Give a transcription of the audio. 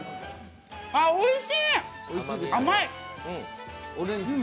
あ、おいしい！